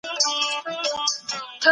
ولي شتمن ځانونه خدای ته متعقد ښیي؟